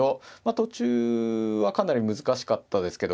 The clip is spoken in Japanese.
途中はかなり難しかったですけど。